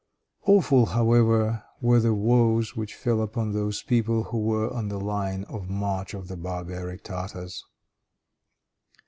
Awful, however, were the woes which fell upon those people who were on the line of march of the barbaric Tartars.